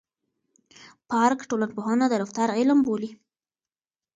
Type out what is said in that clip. پارک ټولنپوهنه د رفتار علم بولي.